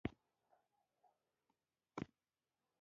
په پراشوټ کې تړلې وه، ښایي دغه وسلې.